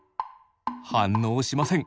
反応しません。